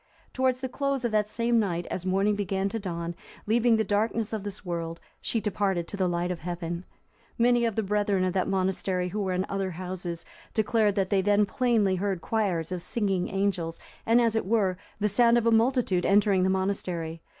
Towards the close of that same night, as morning began to dawn, leaving the darkness of this world, she departed to the light of heaven. Many of the brethren of that monastery who were in other houses, declared they had then plainly heard choirs of singing angels, and, as it were, the sound of a multitude entering the monastery.